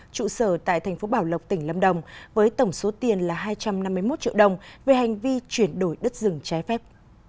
trụ sở tại thành phố bảo lộc tỉnh lâm đồng với tổng số tiền là hai trăm năm mươi một triệu đồng về hành vi chuyển đổi đất rừng trái phép